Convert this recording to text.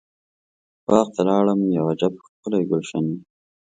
باغ ته لاړم یو عجب ښکلی ګلشن و.